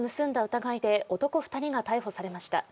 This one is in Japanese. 疑いで男２人が逮捕されました。